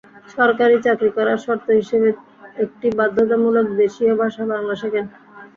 সরকারি চাকরি করার শর্ত হিসেবে একটি বাধ্যতামূলক দেশীয় ভাষা বাংলা শেখেন।